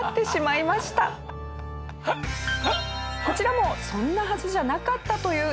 こちらもそんなはずじゃなかったという映像。